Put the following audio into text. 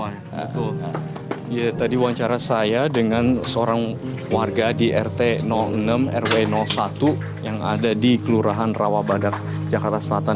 ya tadi wawancara saya dengan seorang warga di rt enam rw satu yang ada di kelurahan rawabadak jakarta selatan